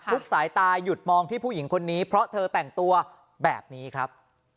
สายตาหยุดมองที่ผู้หญิงคนนี้เพราะเธอแต่งตัวแบบนี้ครับ